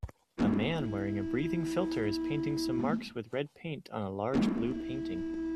A man wearing a breathing filter is painting some marks with red paint on a large blue painting